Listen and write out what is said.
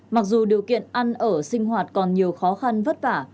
mặc dù điều kiện ăn ở sinh hoạt còn nhiều khó khăn vất vả